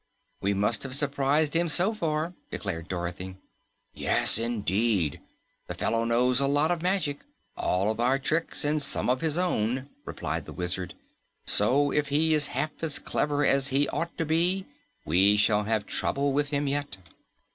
"We must have surprised him so far," declared Dorothy. "Yes indeed. The fellow knows a lot of magic all of our tricks and some of his own," replied the Wizard. "So if he is half as clever as he ought to be, we shall have trouble with him yet."